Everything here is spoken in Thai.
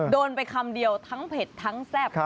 โดนไปคำเดียวทั้งเผ็ดทั้งแซ่บ